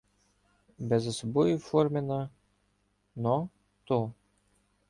Безособові форми на -но, -то